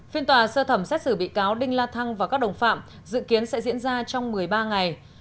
phiên tòa sơ thẩm xét xử bị cáo đinh la thăng và các đồng phạm dự kiến sẽ diễn ra trong một mươi ba ngày